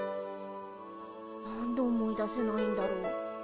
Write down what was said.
何で思い出せないんだろう。